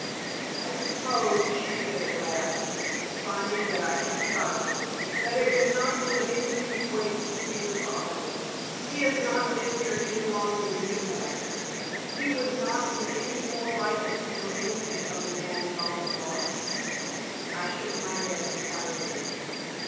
"I suppose," she said at last, finding that I kept silent, "that it would not be of any use waiting to see your father. He has not been here any longer than you have. He would not be any more likely to know anything of the man Maltabar?" I shook my head decidedly.